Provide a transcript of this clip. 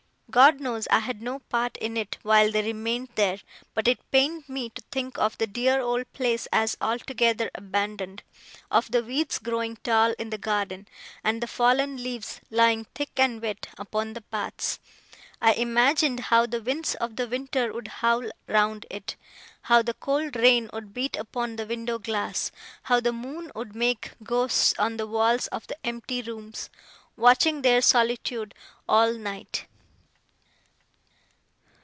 God knows I had no part in it while they remained there, but it pained me to think of the dear old place as altogether abandoned; of the weeds growing tall in the garden, and the fallen leaves lying thick and wet upon the paths. I imagined how the winds of winter would howl round it, how the cold rain would beat upon the window glass, how the moon would make ghosts on the walls of the empty rooms, watching their solitude all night.